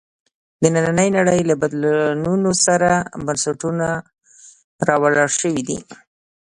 د نننۍ نړۍ له بدلونونو سره بنسټونه راولاړ شوي دي.